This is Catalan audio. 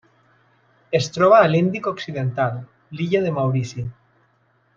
Es troba a l'Índic occidental: l'illa de Maurici.